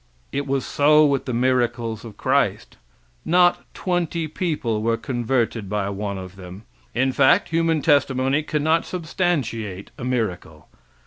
It was so with the miracles of Christ. Not twenty people were converted by one of them. In fact, human testimony cannot substantiate a miracle.